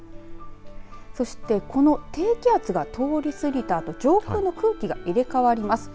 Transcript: そして、この低気圧が通り過ぎたあと上空の空気が入れ替わります。